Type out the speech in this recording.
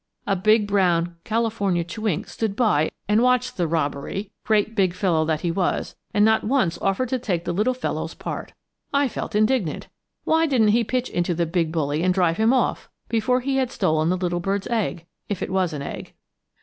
A big brown California chewink stood by and watched the robbery(?), great big fellow that he was; and not once offered to take the little fellows' part. I felt indignant. Why didn't he pitch into the big bully and drive him off before he had stolen the little birds' egg if it was an egg.